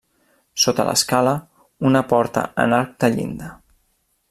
Sota l'escala, una porta en arc de llinda.